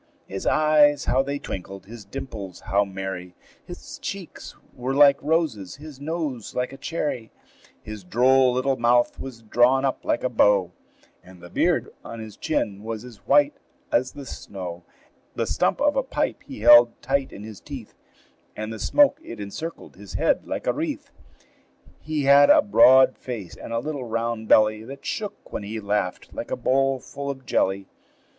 His eyes how they twinkled! his dimples how merry! His cheeks were like roses, his nose like a cherry; His droll little mouth was drawn up like a bow, And the beard on his chin was as white as the snow. The stump of a pipe he held tight in his teeth, And the smoke it encircled his head like a wreath. He had a broad face and a little round belly That shook, when he laughed, like a bowl full of jelly.